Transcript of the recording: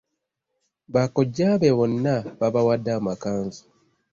Bakojja be bonna babawadde amakanzu.